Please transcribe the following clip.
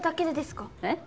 えっ？